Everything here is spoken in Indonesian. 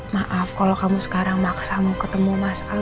maaf kalau kamu sekarang maksa mau ketemu mas al